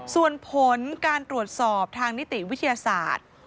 ส่วนผลการตรวจสอบทางนิติวิทยาศาสตร์